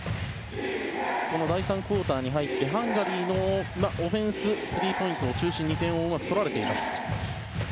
第３クオーターに入ってハンガリーのオフェンスではスリーポイントを中心に、点をうまく取られています。